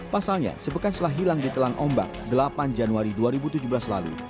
pasalnya sebekan setelah hilang di telang ombak delapan januari dua ribu tujuh belas lalu